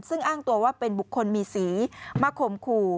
ซึ่งอ้างตัวว่าเป็นบุคคลมีสีมาข่มขู่